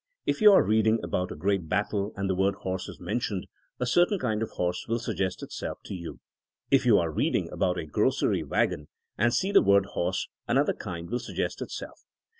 If you are reading about a great battle and the word horse is mentioned, a certain kind of horse will suggest itself to you. If you are reading about a grocery wagon and see the word ''horse another kind will suggest itself.